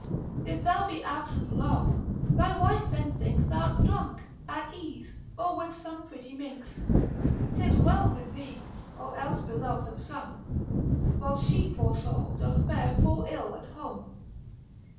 If thou be absent long, thy wife then thinks, Th' art drunk, at ease, or with some pretty minx, 'Tis well with thee, or else beloved of some, Whilst she poor soul doth fare full ill at home.